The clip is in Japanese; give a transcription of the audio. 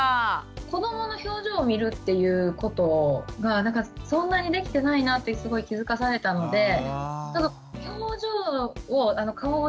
子どもの表情を見るっていうことがなんかそんなにできてないなってすごい気付かされたので表情を顔をしっかり見てあげようと思いました。